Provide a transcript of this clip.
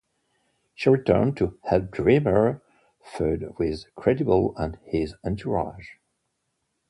She returned to help Dreamer feud with Credible and his entourage.